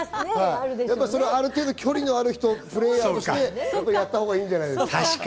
ある程度、距離のある人、プレーヤーとしてやったほうがいいんじゃないでしょうか。